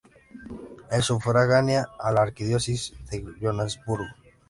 Es sufragánea a la Arquidiócesis de Johannesburgo.